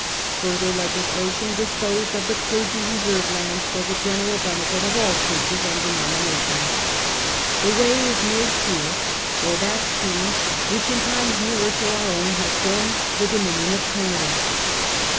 Further legislation disposed of the clergy reserve lands for the general benefit of all churches and denominations. The way was made clear for that scheme which in 80 A HISTORY OP OUR OWN TIMES. os. m. times nearer to our own lias formed the Dominion of Canada.